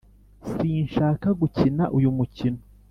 sinshaka gukina uyu mukino.